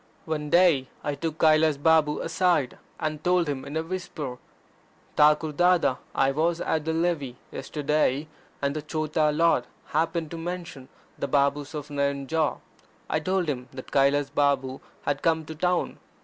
One day I took Kailas Babu aside, and told him in a whisper: "Thakur Dada, I was at the Levee yesterday, and the Chota Lord happened to mention the Babes of Nayanjore. I told him that Kailas Balm had come to town.